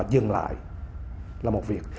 dừng lại là một việc